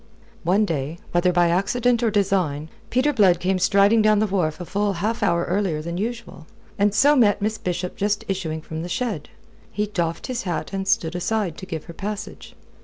One day, whether by accident or design, Peter Blood came striding down the wharf a full half hour earlier than usual, and so met Miss Bishop just issuing from the shed. He doffed his hat and stood aside to give her passage.